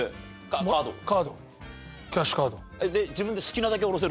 キャッシュカード。